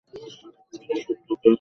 গুলির শব্দকে স্তিমিত করার জন্য!